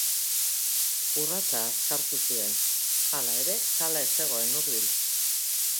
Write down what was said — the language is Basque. Urratsa azkartu zuen, hala ere kala ez zegoen hurbil.